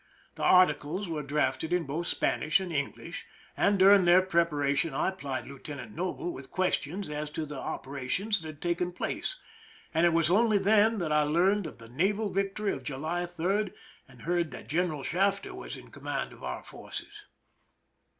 The articles were drafted in both Spanish and English, and during their preparation I plied Lieu tenant Noble with questions as to the operations that had taken place, and it was only then that I leai ned of the naval victory of July 3 and heard that General Shaf ter was in command of our forces.